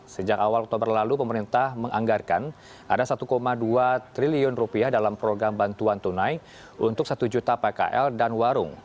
sejak awal oktober lalu pemerintah menganggarkan ada satu dua triliun rupiah dalam program bantuan tunai untuk satu juta pkl dan warung